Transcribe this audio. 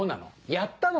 やったの？